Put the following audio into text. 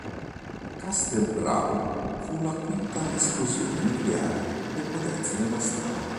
Castle Bravo fu la quinta esplosione nucleare per potenza della storia.